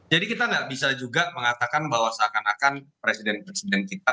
jadi kita nggak bisa juga mengatakan bahwa seakan akan presiden presiden kita